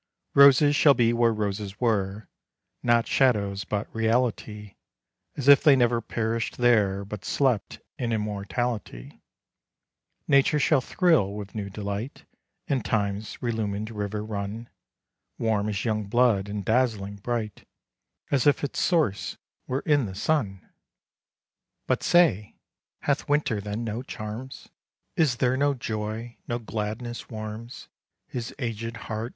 Roses shall be where roses were, Not shadows, but reality; As if they never perished there, But slept in immortality: Nature shall thrill with new delight, And Time's relumined river run Warm as young blood, and dazzling bright, As if its source were in the sun! But say, hath Winter then no charms? Is there no joy, no gladness warms His aged heart?